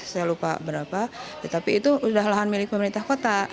saya lupa berapa tetapi itu sudah lahan milik pemerintah kota